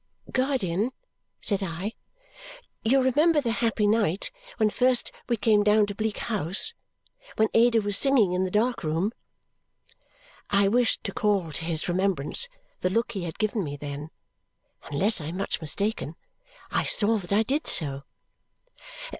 "Guardian," said I, "you remember the happy night when first we came down to Bleak House? When Ada was singing in the dark room?" I wished to call to his remembrance the look he had given me then. Unless I am much mistaken, I saw that I did so.